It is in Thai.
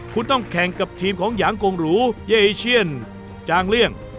คุณต้องแข่งกับทีมของหยางกงหรูเย่อีเชียนจางเลี่ยง